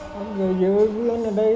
các người dưỡng viên ở đây